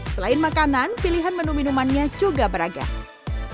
selain makanan pilihan menu minumannya juga beragam